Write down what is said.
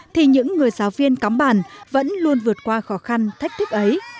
thì những người giáo viên cấm bản vẫn luôn vượt qua khó khăn thách thức ấy